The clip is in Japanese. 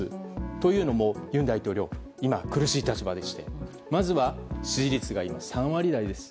というのも尹大統領は今、苦しい立場でしてまずは支持率が３割台です。